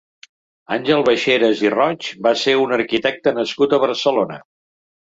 Àngel Baixeras i Roig va ser un arquitecte nascut a Barcelona.